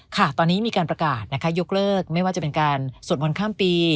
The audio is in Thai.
ค่ะตอนนี้มีการประกาศนะคะยกเลิกไม่ว่าจะเป็นการสวดมนต์ข้ามปี